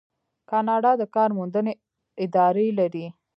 کاناډا د کار موندنې ادارې لري.